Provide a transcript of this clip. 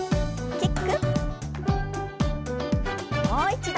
キック。